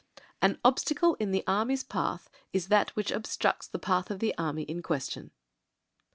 " 'An obstacle in an army's path is that which ob structs the path of the army in question.'